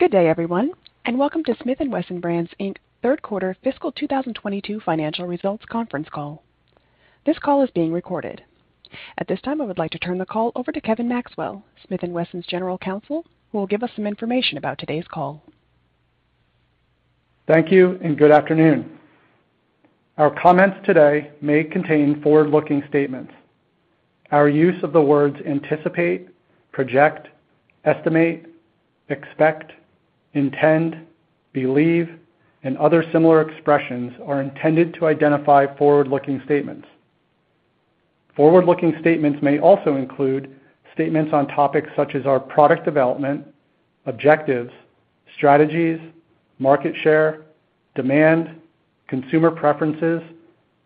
Good day, everyone, and welcome to Smith & Wesson Brands, Inc. third quarter fiscal 2022 financial results conference call. This call is being recorded. At this time, I would like to turn the call over to Kevin Maxwell, Smith & Wesson's General Counsel, who will give us some information about today's call. Thank you and good afternoon. Our comments today may contain forward-looking statements. Our use of the words anticipate, project, estimate, expect, intend, believe, and other similar expressions are intended to identify forward-looking statements. Forward-looking statements may also include statements on topics such as our product development, objectives, strategies, market share, demand, consumer preferences,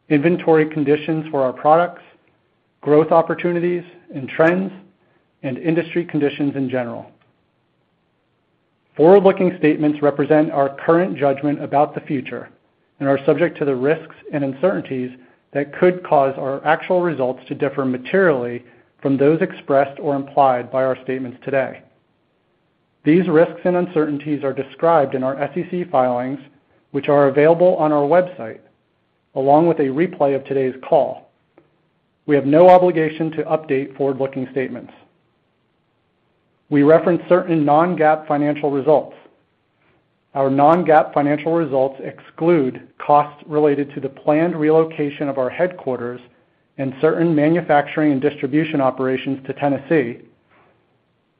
inventory conditions for our products, growth opportunities and trends, and industry conditions in general. Forward-looking statements represent our current judgment about the future and are subject to the risks and uncertainties that could cause our actual results to differ materially from those expressed or implied by our statements today. These risks and uncertainties are described in our SEC filings, which are available on our website, along with a replay of today's call. We have no obligation to update forward-looking statements. We reference certain non-GAAP financial results. Our non-GAAP financial results exclude costs related to the planned relocation of our headquarters and certain manufacturing and distribution operations to Tennessee,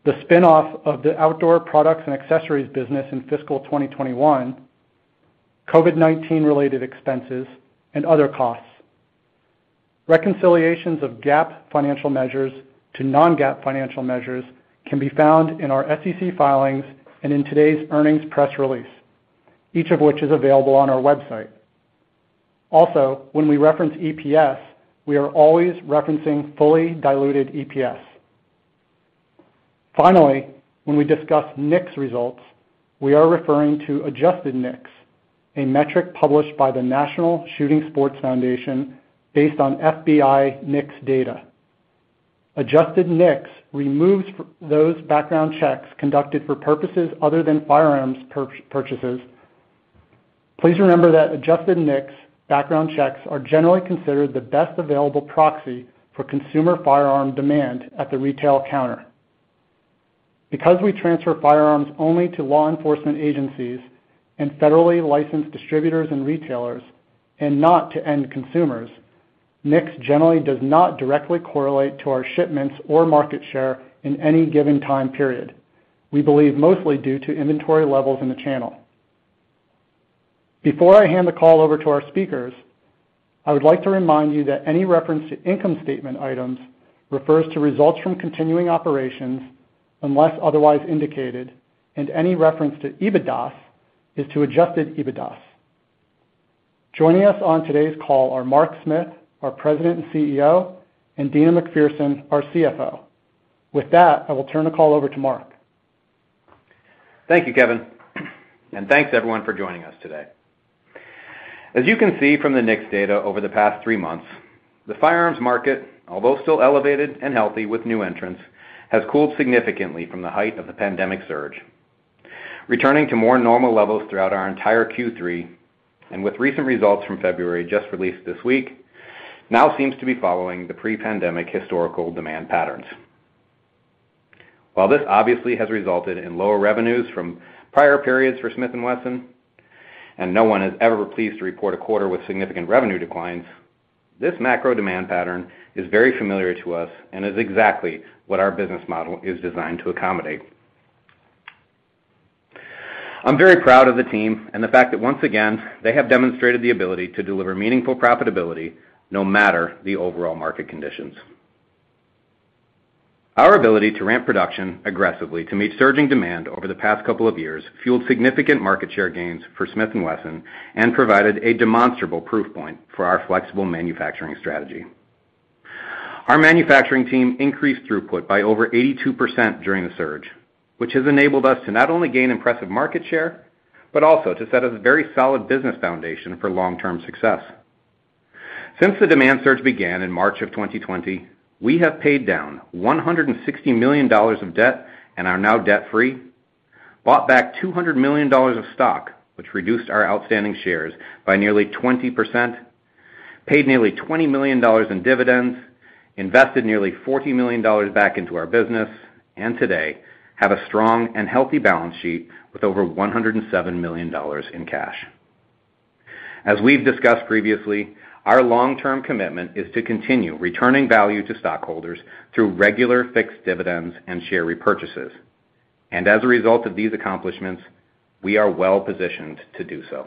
the spin-off of the outdoor products and accessories business in fiscal 2021, COVID-19 related expenses, and other costs. Reconciliations of GAAP financial measures to non-GAAP financial measures can be found in our SEC filings and in today's earnings press release, each of which is available on our website. Also, when we reference EPS, we are always referencing fully diluted EPS. Finally, when we discuss NICS results, we are referring to adjusted NICS, a metric published by the National Shooting Sports Foundation based on FBI NICS data. Adjusted NICS removes those background checks conducted for purposes other than firearms purchases. Please remember that adjusted NICS background checks are generally considered the best available proxy for consumer firearm demand at the retail counter. Because we transfer firearms only to law enforcement agencies and federally licensed distributors and retailers and not to end consumers, NICS generally does not directly correlate to our shipments or market share in any given time period. We believe mostly due to inventory levels in the channel. Before I hand the call over to our speakers, I would like to remind you that any reference to income statement items refers to results from continuing operations unless otherwise indicated, and any reference to EBITDA is to Adjusted EBITDA. Joining us on today's call are Mark Smith, our President and CEO, and Deana McPherson, our CFO. With that, I will turn the call over to Mark. Thank you, Kevin. Thanks everyone for joining us today. As you can see from the NICS data over the past three months, the firearms market, although still elevated and healthy with new entrants, has cooled significantly from the height of the pandemic surge, returning to more normal levels throughout our entire Q3, and with recent results from February just released this week, now seems to be following the pre-pandemic historical demand patterns. While this obviously has resulted in lower revenues from prior periods for Smith & Wesson, and no one is ever pleased to report a quarter with significant revenue declines, this macro demand pattern is very familiar to us and is exactly what our business model is designed to accommodate. I'm very proud of the team and the fact that once again, they have demonstrated the ability to deliver meaningful profitability no matter the overall market conditions. Our ability to ramp production aggressively to meet surging demand over the past couple of years fueled significant market share gains for Smith & Wesson and provided a demonstrable proof point for our flexible manufacturing strategy. Our manufacturing team increased throughput by over 82% during the surge, which has enabled us to not only gain impressive market share, but also to set a very solid business foundation for long-term success. Since the demand surge began in March 2020, we have paid down $160 million of debt and are now debt-free, bought back $200 million of stock, which reduced our outstanding shares by nearly 20%, paid nearly $20 million in dividends, invested nearly $40 million back into our business, and today, have a strong and healthy balance sheet with over $107 million in cash. As we've discussed previously, our long-term commitment is to continue returning value to stockholders through regular fixed dividends and share repurchases. As a result of these accomplishments, we are well-positioned to do so.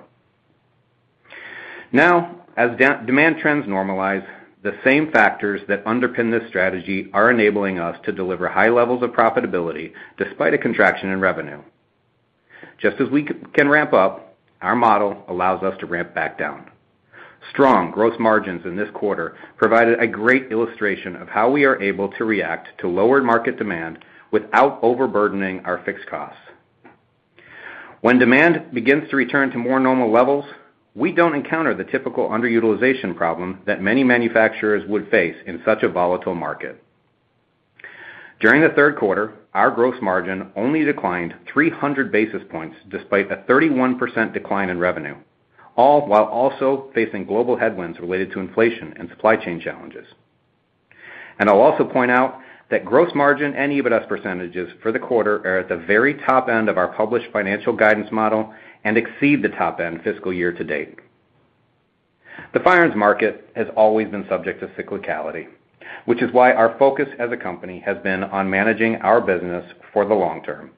Now, as demand trends normalize, the same factors that underpin this strategy are enabling us to deliver high levels of profitability despite a contraction in revenue. Just as we can ramp up, our model allows us to ramp back down. Strong gross margins in this quarter provided a great illustration of how we are able to react to lower market demand without overburdening our fixed costs. When demand begins to return to more normal levels, we don't encounter the typical underutilization problem that many manufacturers would face in such a volatile market. During the third quarter, our gross margin only declined 300 basis points despite a 31% decline in revenue, all while also facing global headwinds related to inflation and supply chain challenges. I'll also point out that gross margin and EBITDAS percentages for the quarter are at the very top end of our published financial guidance model and exceed the top end fiscal year-to-date. The firearms market has always been subject to cyclicality, which is why our focus as a company has been on managing our business for the long term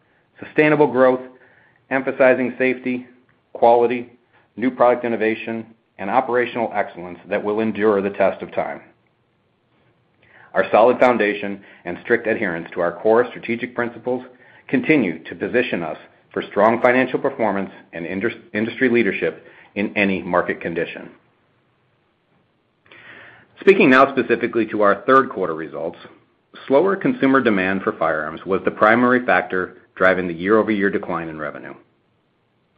sustainable growth, emphasizing safety, quality, new product innovation, and operational excellence that will endure the test of time. Our solid foundation and strict adherence to our core strategic principles continue to position us for strong financial performance and industry leadership in any market condition. Speaking now specifically to our third quarter results, slower consumer demand for firearms was the primary factor driving the year-over-year decline in revenue.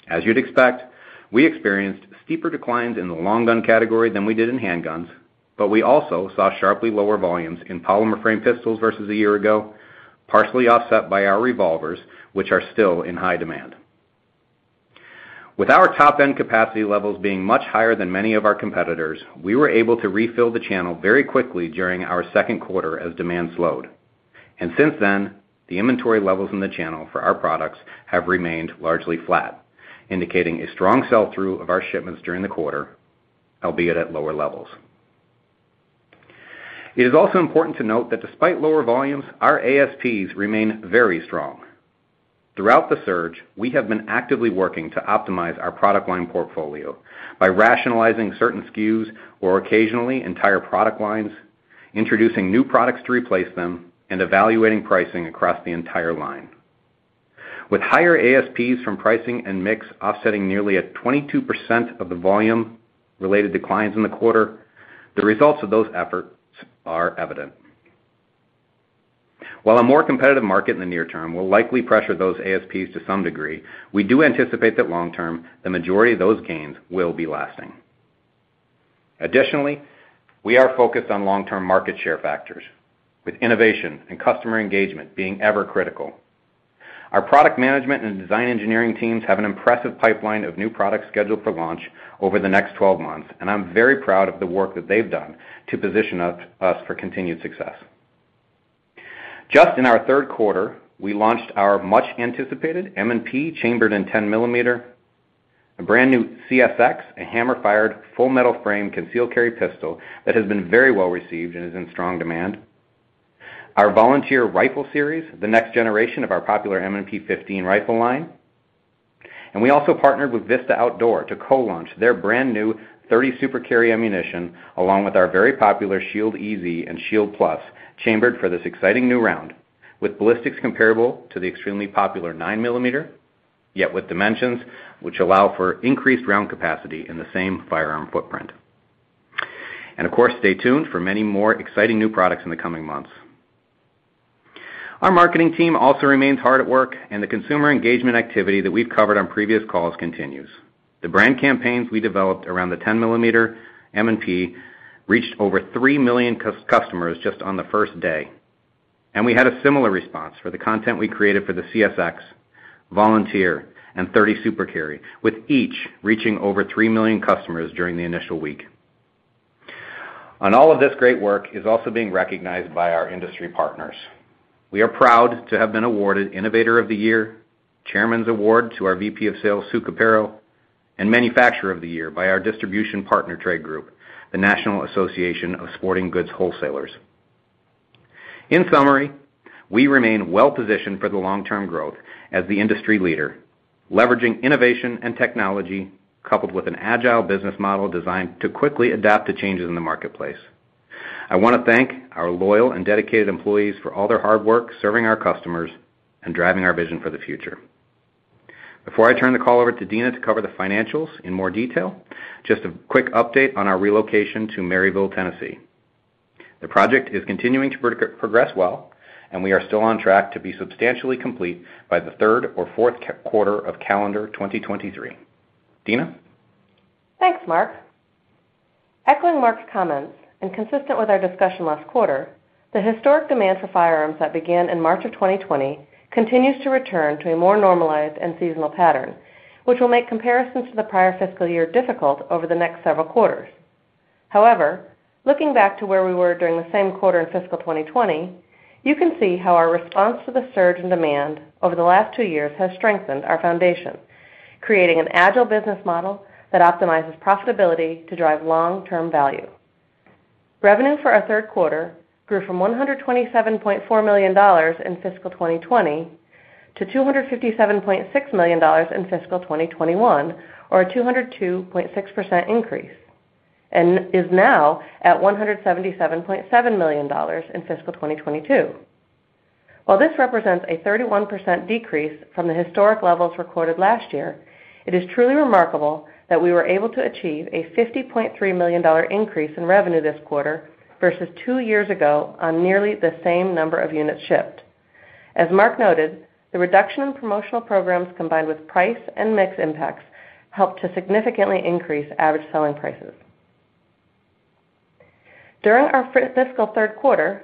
As you'd expect, we experienced steeper declines in the long gun category than we did in handguns, but we also saw sharply lower volumes in polymer frame pistols versus a year ago, partially offset by our revolvers, which are still in high demand. With our top-end capacity levels being much higher than many of our competitors, we were able to refill the channel very quickly during our second quarter as demand slowed. Since then, the inventory levels in the channel for our products have remained largely flat, indicating a strong sell-through of our shipments during the quarter, albeit at lower levels. It is also important to note that despite lower volumes, our ASPs remain very strong. Throughout the surge, we have been actively working to optimize our product line portfolio by rationalizing certain SKUs or occasionally entire product lines, introducing new products to replace them, and evaluating pricing across the entire line. With higher ASPs from pricing and mix offsetting nearly a 22% of the volume-related declines in the quarter, the results of those efforts are evident. While a more competitive market in the near term will likely pressure those ASPs to some degree, we do anticipate that long term, the majority of those gains will be lasting. Additionally, we are focused on long-term market share factors, with innovation and customer engagement being ever critical. Our product management and design engineering teams have an impressive pipeline of new products scheduled for launch over the next 12 months, and I'm very proud of the work that they've done to position us for continued success. Just in our third quarter, we launched our much-anticipated M&P chambered in 10mm, a brand-new CSX, a hammer-fired, full metal frame concealed carry pistol that has been very well received and is in strong demand, our Volunteer Rifle Series, the next generation of our popular M&P15 rifle line. We also partnered with Vista Outdoor to co-launch their brand-new 30 Super Carry ammunition, along with our very popular Shield EZ and Shield Plus, chambered for this exciting new round with ballistics comparable to the extremely popular 9 mm, yet with dimensions which allow for increased round capacity in the same firearm footprint. Of course, stay tuned for many more exciting new products in the coming months. Our marketing team also remains hard at work, and the consumer engagement activity that we've covered on previous calls continues. The brand campaigns we developed around the 10 millimeter M&P reached over 3 million customers just on the first day. We had a similar response for the content we created for the CSX, Volunteer, and 30 Super Carry, with each reaching over 3 million customers during the initial week. All of this great work is also being recognized by our industry partners. We are proud to have been awarded Innovator of the Year, Chairman's Award to our VP of Sales, Sue Cupero, and Manufacturer of the Year by our distribution partner trade group, the National Association of Sporting Goods Wholesalers. In summary, we remain well positioned for the long-term growth as the industry leader, leveraging innovation and technology, coupled with an agile business model designed to quickly adapt to changes in the marketplace. I wanna thank our loyal and dedicated employees for all their hard work serving our customers and driving our vision for the future. Before I turn the call over to Deana to cover the financials in more detail, just a quick update on our relocation to Maryville, Tennessee. The project is continuing to progress well, and we are still on track to be substantially complete by the third or fourth quarter of calendar 2023. Deana? Thanks, Mark. Echoing Mark's comments and consistent with our discussion last quarter, the historic demand for firearms that began in March of 2020 continues to return to a more normalized and seasonal pattern, which will make comparisons to the prior fiscal year difficult over the next several quarters. However, looking back to where we were during the same quarter in fiscal 2020, you can see how our response to the surge in demand over the last two years has strengthened our foundation, creating an agile business model that optimizes profitability to drive long-term value. Revenue for our third quarter grew from $127.4 million in fiscal 2020 to $257.6 million in fiscal 2021, or a 102.6% increase, and is now at $177.7 million in fiscal 2022. While this represents a 31% decrease from the historic levels recorded last year, it is truly remarkable that we were able to achieve a $50.3 million increase in revenue this quarter versus two years ago on nearly the same number of units shipped. As Mark noted, the reduction in promotional programs, combined with price and mix impacts, helped to significantly increase average selling prices. During our fiscal third quarter,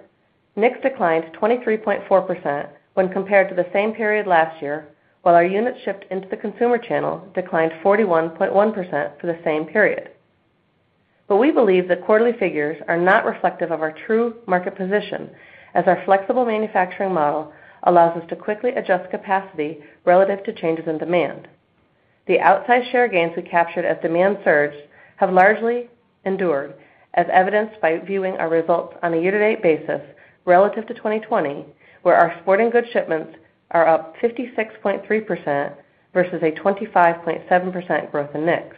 NICS declined 23.4% when compared to the same period last year, while our units shipped into the consumer channel declined 41.1% for the same period. We believe that quarterly figures are not reflective of our true market position as our flexible manufacturing model allows us to quickly adjust capacity relative to changes in demand. The outsized share gains we captured as demand surged have largely endured, as evidenced by viewing our results on a year-to-date basis relative to 2020, where our sporting goods shipments are up 56.3% versus a 25.7% growth in NICS.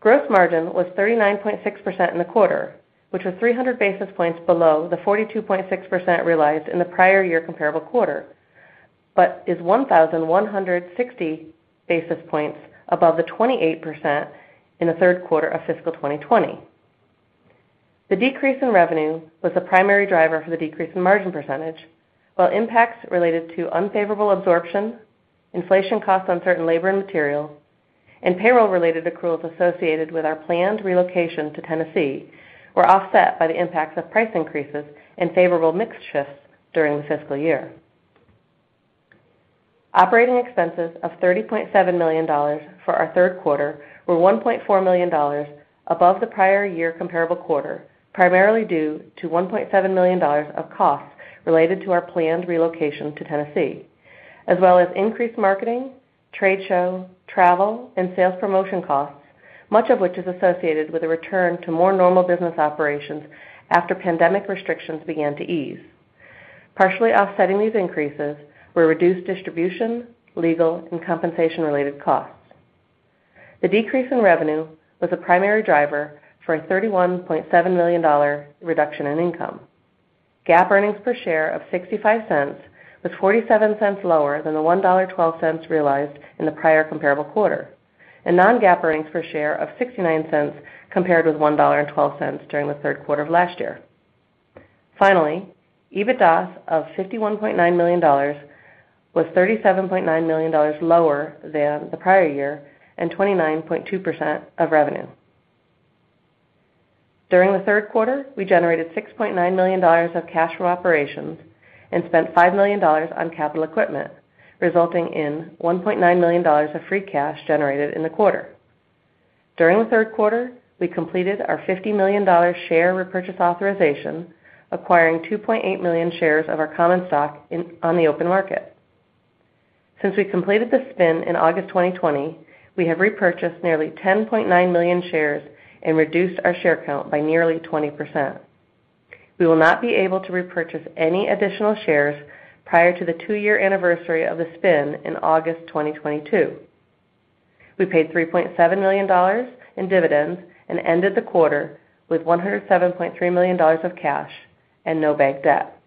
Gross margin was 39.6% in the quarter, which was 300 basis points below the 42.6% realized in the prior year comparable quarter, but is 1,160 basis points above the 28% in the third quarter of fiscal 2020. The decrease in revenue was the primary driver for the decrease in margin percentage, while impacts related to unfavorable absorption, inflation costs on certain labor and material, and payroll-related accruals associated with our planned relocation to Tennessee were offset by the impacts of price increases and favorable mix shifts during the fiscal year. Operating expenses of $30.7 million for our third quarter were $1.4 million above the prior year comparable quarter, primarily due to $1.7 million of costs related to our planned relocation to Tennessee, as well as increased marketing, trade show, travel, and sales promotion costs, much of which is associated with a return to more normal business operations after pandemic restrictions began to ease. Partially offsetting these increases were reduced distribution, legal, and compensation-related costs. The decrease in revenue was a primary driver for a $31.7 million reduction in income. GAAP earnings per share of $0.65 was $0.47 lower than the $1.12 realized in the prior comparable quarter, and non-GAAP earnings per share of $0.69 compared with $1.12 during the third quarter of last year. Finally, EBITDAS of $51.9 million was $37.9 million lower than the prior year and 29.2% of revenue. During the third quarter, we generated $6.9 million of cash from operations and spent $5 million on capital equipment, resulting in $1.9 million of free cash generated in the quarter. During the third quarter, we completed our $50 million share repurchase authorization, acquiring 2.8 million shares of our common stock on the open market. Since we completed the spin in August 2020, we have repurchased nearly 10.9 million shares and reduced our share count by nearly 20%. We will not be able to repurchase any additional shares prior to the two-year anniversary of the spin in August 2022. We paid $3.7 million in dividends and ended the quarter with $107.3 million of cash and no bank debt.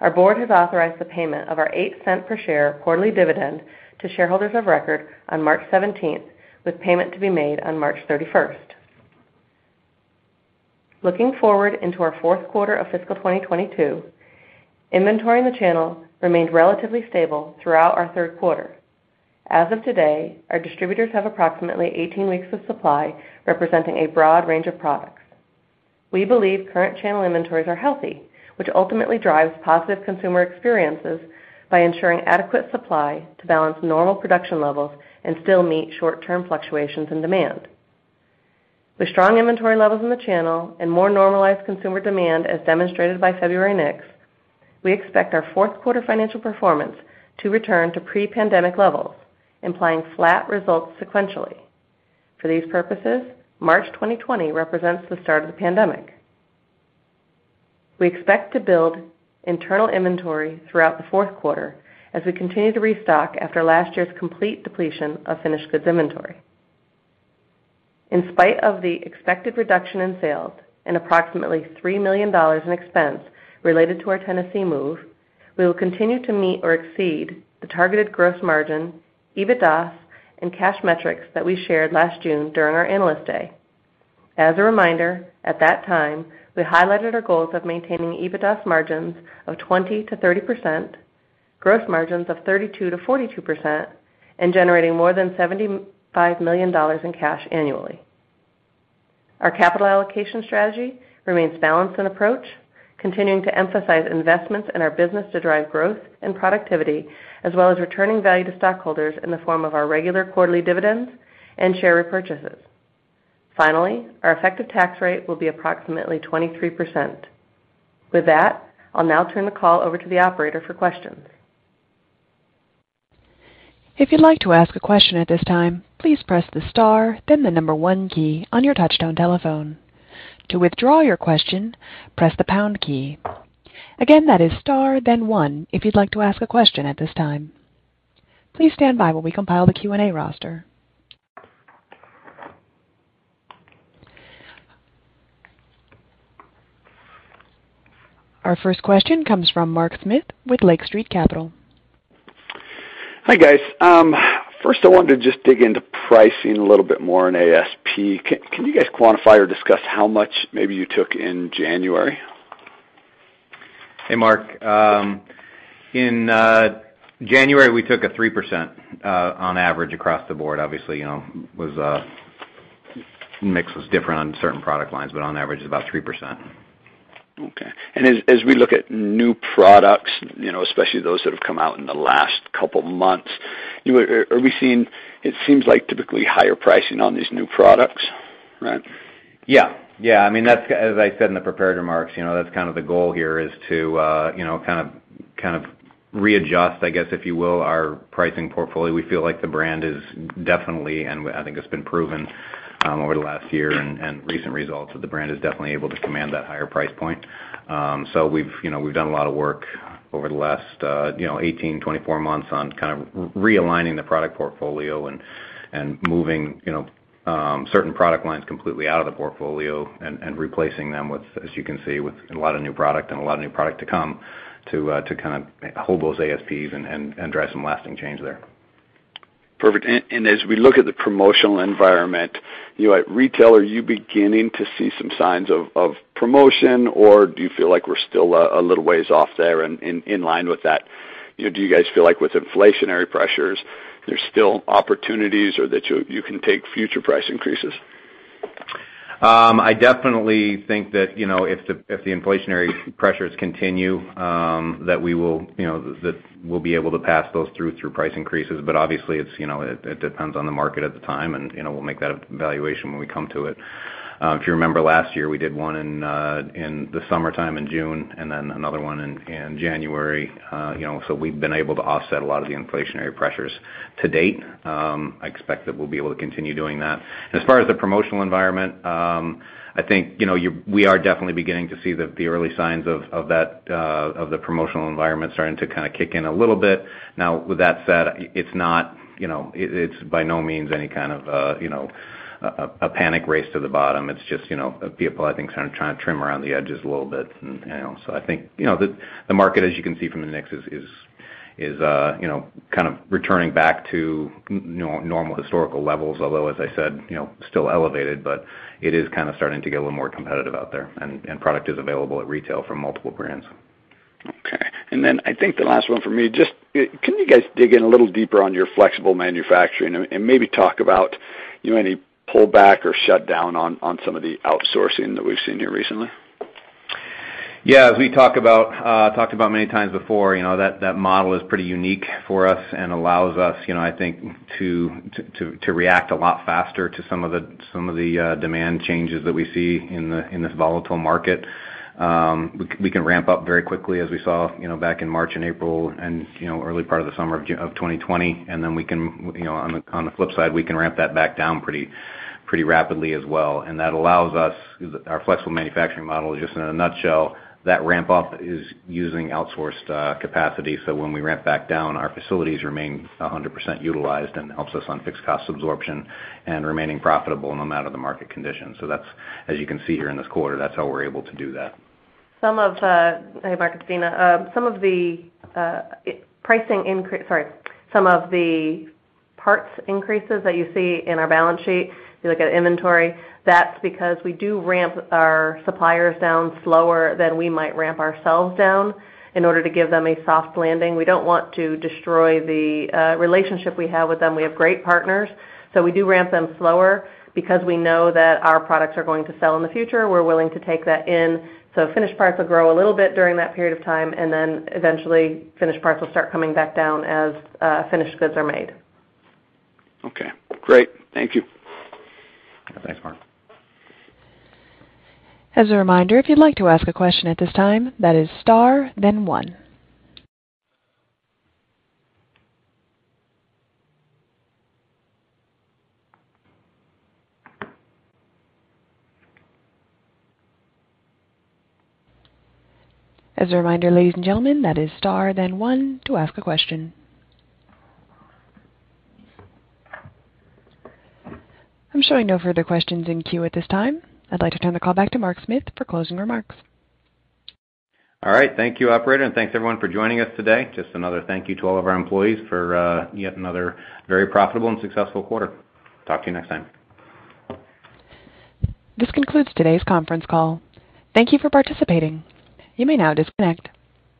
Our board has authorized the payment of our 8 cents per share quarterly dividend to shareholders of record on March seventeenth, with payment to be made on March thirty-first. Looking forward into our fourth quarter of fiscal 2022, inventory in the channel remained relatively stable throughout our third quarter. As of today, our distributors have approximately 18 weeks of supply, representing a broad range of products. We believe current channel inventories are healthy, which ultimately drives positive consumer experiences by ensuring adequate supply to balance normal production levels and still meet short-term fluctuations in demand. With strong inventory levels in the channel and more normalized consumer demand as demonstrated by February NICS, we expect our fourth quarter financial performance to return to pre-pandemic levels, implying flat results sequentially. For these purposes, March 2020 represents the start of the pandemic. We expect to build internal inventory throughout the fourth quarter as we continue to restock after last year's complete depletion of finished goods inventory. In spite of the expected reduction in sales and approximately $3 million in expense related to our Tennessee move, we will continue to meet or exceed the targeted gross margin, EBITDAS, and cash metrics that we shared last June during our Analyst Day. As a reminder, at that time, we highlighted our goals of maintaining EBITDAS margins of 20%-30%, gross margins of 32%-42%, and generating more than $75 million in cash annually. Our capital allocation strategy remains balanced in approach, continuing to emphasize investments in our business to drive growth and productivity, as well as returning value to stockholders in the form of our regular quarterly dividends and share repurchases. Finally, our effective tax rate will be approximately 23%. With that, I'll now turn the call over to the operator for questions. If you would like to ask question please press star and then number 1 key. Our first question comes from Mark Smith with Lake Street Capital. Hi, guys. First I wanted to just dig into pricing a little bit more on ASP. Can you guys quantify or discuss how much maybe you took in January? Hey, Mark. In January, we took a 3% on average across the board. Obviously, you know, mix was different on certain product lines, but on average is about 3%. Okay. As we look at new products, you know, especially those that have come out in the last couple of months, are we seeing, it seems like typically higher pricing on these new products, right? Yeah. Yeah. I mean, that's, as I said in the prepared remarks, you know, that's kind of the goal here is to, you know, kind of readjust, I guess, if you will, our pricing portfolio. We feel like the brand is definitely, and I think it's been proven, over the last year and recent results that the brand is definitely able to command that higher price point. We've, you know, done a lot of work over the last, you know, 18-24 months on kind of realigning the product portfolio and moving, you know, certain product lines completely out of the portfolio and replacing them with, as you can see, with a lot of new product and a lot of new product to come to to kind of hold those ASPs and drive some lasting change there. Perfect. As we look at the promotional environment, you know, at retail, are you beginning to see some signs of promotion? Or do you feel like we're still a little ways off there in line with that? You know, do you guys feel like with inflationary pressures, there's still opportunities or that you can take future price increases? I definitely think that, you know, if the inflationary pressures continue, that we will, you know, that we'll be able to pass those through price increases. Obviously, it's, you know, it depends on the market at the time, and, you know, we'll make that evaluation when we come to it. If you remember last year, we did one in the summertime in June and then another one in January. You know, so we've been able to offset a lot of the inflationary pressures to date. I expect that we'll be able to continue doing that. As far as the promotional environment, I think, you know, we are definitely beginning to see the early signs of that, of the promotional environment starting to kind of kick in a little bit. Now, with that said, it's not, you know, it's by no means any kind of, you know, a panic race to the bottom. It's just, you know, people, I think, kind of trying to trim around the edges a little bit. You know, I think, you know, the market, as you can see from the mix, is, you know, kind of returning back to normal historical levels, although, as I said, you know, still elevated, but it is kind of starting to get a little more competitive out there, and product is available at retail from multiple brands. Okay. Then I think the last one for me, just can you guys dig in a little deeper on your flexible manufacturing and maybe talk about, you know, any pullback or shutdown on some of the outsourcing that we've seen here recently? Yeah. As we talked about many times before, you know, that model is pretty unique for us and allows us, you know, I think to react a lot faster to some of the demand changes that we see in this volatile market. We can ramp up very quickly as we saw, you know, back in March and April and, you know, early part of the summer of 2020, and then we can, you know, on the flip side, we can ramp that back down pretty rapidly as well. That allows us, our flexible manufacturing model, just in a nutshell, that ramp up is using outsourced capacity. When we ramp back down, our facilities remain 100% utilized and helps us on fixed cost absorption and remaining profitable no matter the market conditions. That's, as you can see here in this quarter, that's how we're able to do that. Some of the parts increases that you see in our balance sheet, if you look at inventory, that's because we do ramp our suppliers down slower than we might ramp ourselves down in order to give them a soft landing. We don't want to destroy the relationship we have with them. We have great partners, so we do ramp them slower. Because we know that our products are going to sell in the future, we're willing to take that in. Finished parts will grow a little bit during that period of time, and then eventually finished parts will start coming back down as finished goods are made. Okay, great. Thank you. Yeah. Thanks, Mark. As a reminder, if you'd like to ask a question at this time, that is star then one. As a reminder, ladies and gentlemen, that is star then one to ask a question. I'm showing no further questions in queue at this time. I'd like to turn the call back to Mark Smith for closing remarks. All right. Thank you, operator. Thanks everyone for joining us today. Just another thank you to all of our employees for yet another very profitable and successful quarter. Talk to you next time. This concludes today's conference call. Thank you for participating. You may now disconnect.